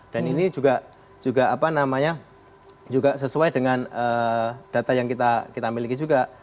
dan ini juga sesuai dengan data yang kita miliki juga